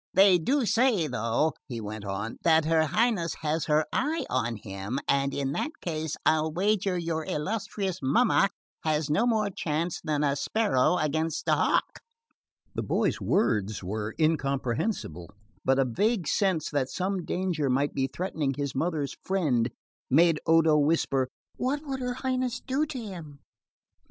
"They do say, though," he went on, "that her Highness has her eye on him, and in that case I'll wager your illustrious mamma has no more chance than a sparrow against a hawk." The boy's words were incomprehensible, but the vague sense that some danger might be threatening his mother's friend made Odo whisper: "What would her Highness do to him?"